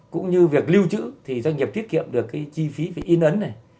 cũng như việc lưu trữ thì doanh nghiệp tiết kiệm được cái chi phí về in ấn này